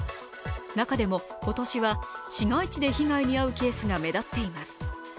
中でも今年は市街地で被害に遭うケースが目立っています。